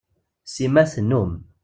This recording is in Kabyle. Sima tennum.